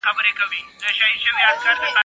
یوه نااشنا لاره پرانستله